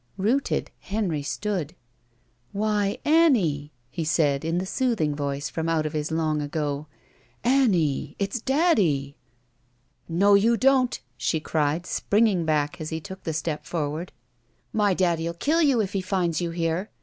Rooted, Henry stood. "Why, Annie!" he said in the soothing voice from out of his long ago, "Aimie — it's daddy!" "No, you don't," she cried, springing back as he took the step forward. "My daddy '11 kill you if he finds you here.